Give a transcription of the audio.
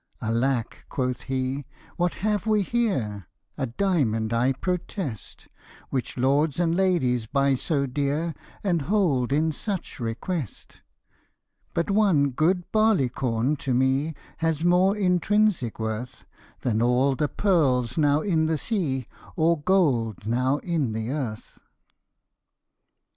Alack !" quoth he, <' what have we herr ? A diamond, I protest ! Which lords and ladies buy so dear, And hold in such request. " But one good barley corn to me Has more intrinsic worth Than all the pearls now in the sea, Or gold now in the earth."